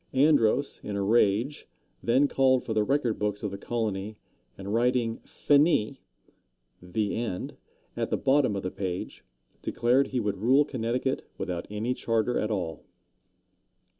Andros, in a rage, then called for the record books of the colony, and writing Finis ("The End") at the bottom of the page, declared he would rule Connecticut without any charter at all.